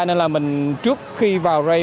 nên là mình trước khi vào relay